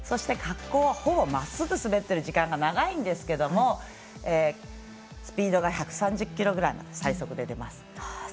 滑降はほぼまっすぐ滑ってる時間が長いんですけどもスピードが１３０キロぐらい最速で出ます。